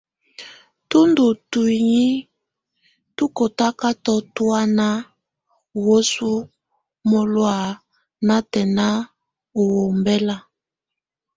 Tú ndù tuinyii tu kɔtakatɔ tɔ̀ána ú wesuǝ mɛlɔ̀á natɛna u ɔmbɛla.